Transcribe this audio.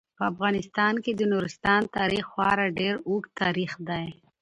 په افغانستان کې د نورستان تاریخ خورا ډیر اوږد تاریخ دی.